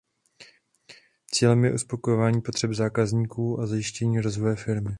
Cílem je uspokojování potřeb zákazníků a zajištění rozvoje firmy.